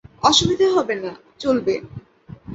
অসুবিধা হবে না, চলবে।